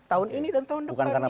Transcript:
tahun ini dan tahun depan gitu loh